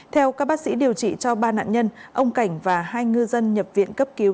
theo các bác sĩ điều trị cho ba nạn nhân ông cảnh và hai ngư dân nhập viện cấp cứu